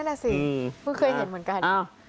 นั่นน่ะสิเพิ่งเคยเห็นเหมือนกัน